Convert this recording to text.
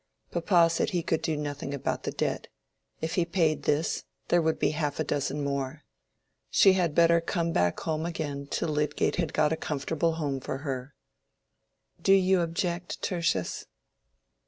Papa said he could do nothing about the debt—if he paid this, there would be half a dozen more. She had better come back home again till Lydgate had got a comfortable home for her. "Do you object, Tertius?"